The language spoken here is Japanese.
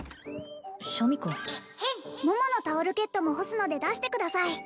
シャミ子桃のタオルケットも干すので出してください